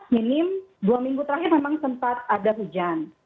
minim dua minggu terakhir memang sempat ada hujan